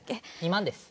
２万です。